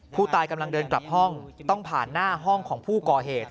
ผู้ตายกำลังเดินกลับห้องต้องผ่านหน้าห้องของผู้ก่อเหตุ